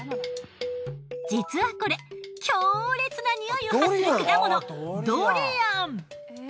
実はこれ強烈なニオイを発する果物ドリアン。